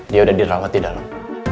dia udah dirawat di dalam